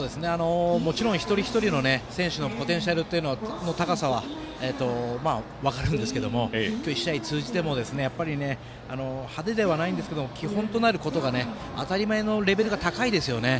もちろん一人一人の選手のポテンシャルの高さは分かるんですが今日１試合通じても派手ではないんですが基本となることが当たり前のレベルが高いですね。